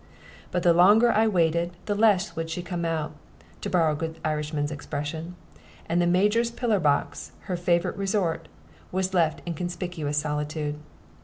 But the longer I waited, the less would she come out to borrow the good Irishman's expression and the Major's pillar box, her favorite resort, was left in conspicuous solitude.